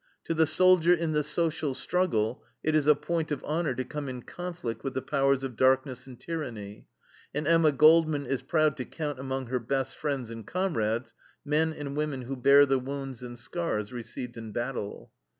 To the soldier in the social struggle it is a point of honor to come in conflict with the powers of darkness and tyranny, and Emma Goldman is proud to count among her best friends and comrades men and women who bear the wounds and scars received in battle.